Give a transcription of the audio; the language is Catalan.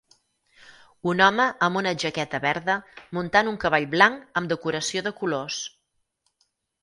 Un home amb una jaqueta verda muntant un cavall blanc amb decoració de colors.